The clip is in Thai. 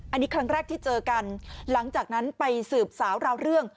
อันนี้ครั้งแรกที่เจอกันหลังจากนั้นไปสืบสาวราวเรื่อง